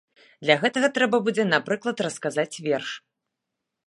Для гэтага трэба будзе, напрыклад, расказаць верш.